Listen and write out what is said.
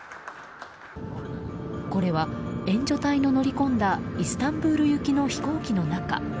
これは、援助隊の乗り込んだイスタンブール行きの飛行機の中。